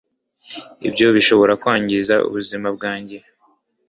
Ibyo bishobora kwangiza ubuzima bwanjye